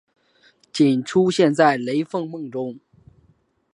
仅出现在雷凰梦中。